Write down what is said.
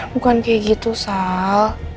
bukan kayak gitu sal